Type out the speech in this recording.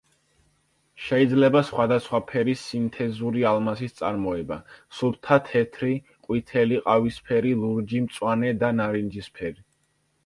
შეიძლება სხვადასხვა ფერის სინთეზური ალმასის წარმოება: სუფთა თეთრი, ყვითელი, ყავისფერი, ლურჯი, მწვანე და ნარინჯისფერი.